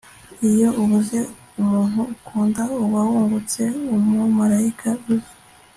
iyo ubuze umuntu ukunda, uba wungutse umumarayika uzi